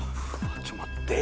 ちょっ待って。